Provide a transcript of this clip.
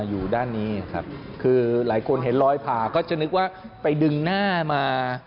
อยู่ด้านนี้ครับคือหลายคนเห็นรอยผ่าก็จะนึกว่าไปดึงหน้ามา